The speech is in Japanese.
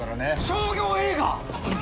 商業映画！？